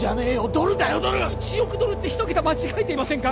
ドルだよドル１億ドルって一桁間違えていませんか？